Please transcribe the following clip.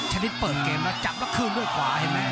ชนิดเปิดเกมแล้วจับแล้วคืนด้วยกว่าไอ้แม่